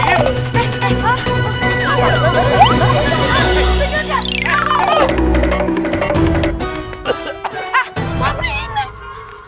ah sabri ini